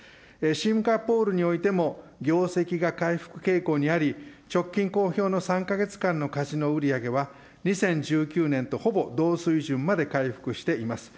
シンガポールにおいても業績が回復傾向にあり、直近公表の３か月間のカジノ売り上げは２０１９年とほぼ同水準まで回復しています。